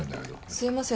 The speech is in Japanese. すいません。